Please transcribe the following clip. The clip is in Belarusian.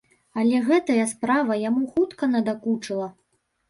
Але гэтая справа яму хутка надакучыла.